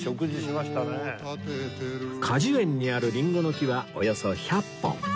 果樹園にあるリンゴの木はおよそ１００本